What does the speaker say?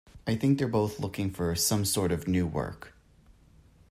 I think they're both looking for some sort of new work.